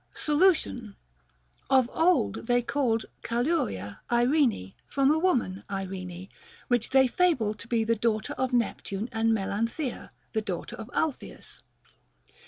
Solution. Of old they called Calauria Irene from a woman Irene, which they fable to be the daughter of Nep tune and Melanthea, the daughter of Alpheus.